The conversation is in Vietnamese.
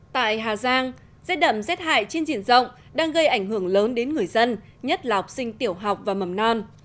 tại hà giang rét đậm rét hại trên diện rộng đang gây ảnh hưởng lớn đến người dân nhất là học sinh tiểu học và mầm non